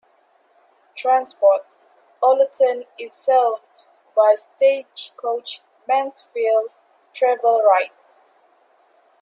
Transport: Ollerton is served by Stagecoach Mansfield, Travel Wright.